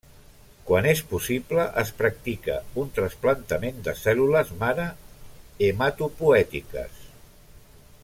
Quan és possible, es practica un trasplantament de cèl·lules mare hematopoètiques.